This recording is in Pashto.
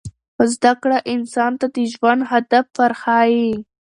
زده کړه انسان ته د ژوند هدف ورښيي.